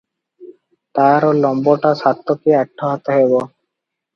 ତା'ର ଲମ୍ବଟା ସାତ କି ଆଠ ହାତ ହେବ ।